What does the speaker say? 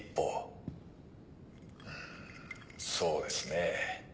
うんそうですね。